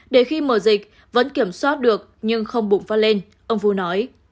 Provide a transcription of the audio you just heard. để khi mở dịch vẫn kiểm soát được nhưng không bùng phát lên ông phu nói